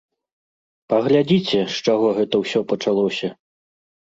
Паглядзіце, з чаго гэта ўсё пачалося!